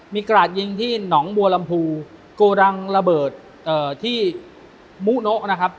มีกราดยิงที่หนองบัวลำพูโกดังระเบิดที่มุโนะนะครับ